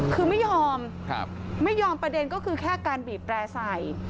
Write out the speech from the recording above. คือไม่ยอมไม่ยอมประเด็นก็คือแค่การบีบแตร่ใส่